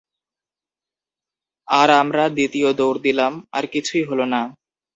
আর আমরা দ্বিতীয় দৌড় দিলাম আর কিছুই হলো না।